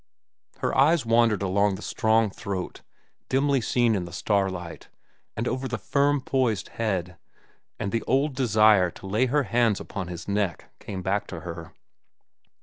Her eyes wandered along the strong throat, dimly seen in the starlight, and over the firm poised head, and the old desire to lay her hands upon his neck came back to her.